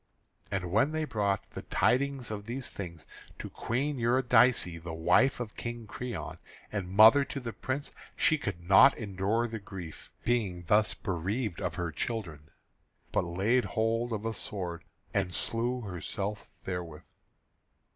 And when they brought the tidings of these things to Queen Eurydice, the wife of King Creon and mother to the Prince, she could not endure the grief, being thus bereaved of her children, but laid hold of a sword, and slew herself therewith.